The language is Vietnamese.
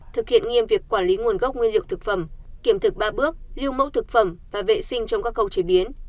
thực hiện nghiêm việc quản lý nguồn gốc nguyên liệu thực phẩm kiểm thực ba bước lưu mẫu thực phẩm và vệ sinh trong các khâu chế biến